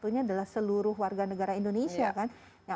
nya adalah seluruh warga negara indonesia